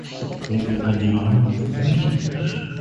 Ze begrepen de lange brief niet.